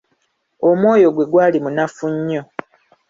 Omwoyo gwe gwali munafu nnyo.